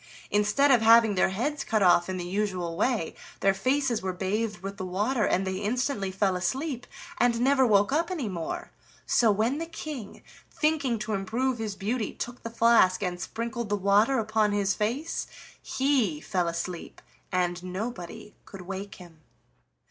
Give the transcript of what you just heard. Instead of having their heads cut off in the usual way, their faces were bathed with the water, and they instantly fell asleep and never woke up any more. So, when the King, thinking to improve his beauty, took the flask and sprinkled the water upon his face, he fell asleep, and nobody could wake him.